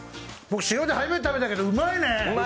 僕、塩で初めて食べたけどうまいね。